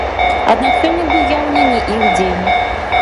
Аднак сёння быў яўна не іх дзень.